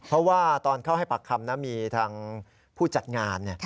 เพราะว่าตอนเข้าให้ปากคำมีทางผู้จัดงาน